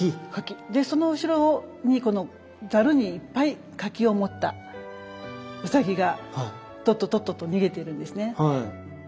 でその後ろにこのざるにいっぱい柿を持ったウサギがとっととっとと逃げてるんですね。